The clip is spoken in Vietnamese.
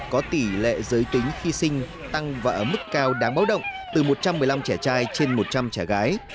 có tỷ lệ giới tính khi sinh tăng và ở mức cao đáng báo động từ một trăm một mươi năm trẻ trai trên một trăm linh trẻ gái